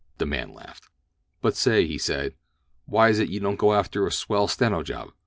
The man laughed. "But say," he said, "why is it you don't go after a swell steno job?